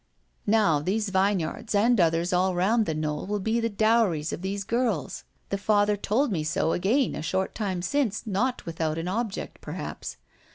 Now, these vineyards and others all round the knoll will be the dowries of these girls. The father told me so again a short time since, not without an object, perhaps.